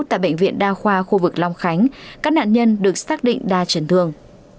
tại bệnh viện đa khoa khu vực long khánh các nạn nhân được xác định đa chấn thương